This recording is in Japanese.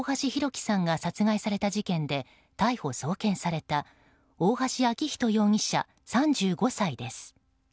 輝さんが殺害された事件で逮捕・送検された大橋昭仁容疑者、３５歳です。